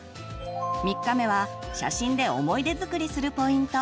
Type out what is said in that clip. ３日目は写真で思い出づくりするポイント。